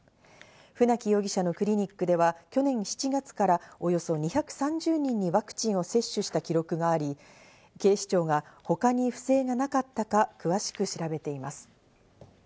船木容疑者のクリニックでは去年７月から、およそ２３０人にワクチンを接種した記録があり、警視庁が他に不正がなかったか詳しく調べています。